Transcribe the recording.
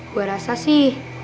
gua rasa sih